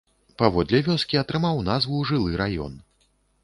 Паводле вёскі атрымаў назву жылы раён.